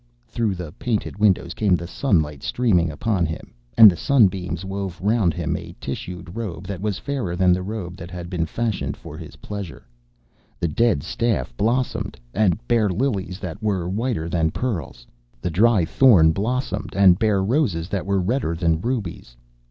through the painted windows came the sunlight streaming upon him, and the sun beams wove round him a tissued robe that was fairer than the robe that had been fashioned for his pleasure. The dead staff blossomed, and bare lilies that were whiter than pearls. The dry thorn blossomed, and bare roses that were redder than rubies.